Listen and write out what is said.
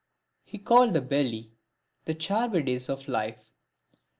He called the belly, the Charybdis of life.